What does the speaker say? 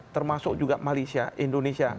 termasuk juga malaysia indonesia